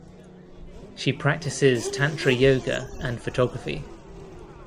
She practices tantra yoga and photography.